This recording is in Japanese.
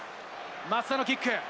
松田のキック。